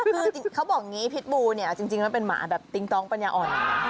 คือเขาบอกอย่างนี้พิษบูเนี่ยเอาจริงมันเป็นหมาแบบติ๊งต้องปัญญาอ่อน